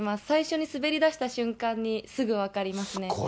最初に滑りだした瞬間に、すぐ分かりますね。